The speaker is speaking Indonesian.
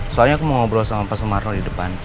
soalnya aku mau ngobrol sama pak sumarno di depan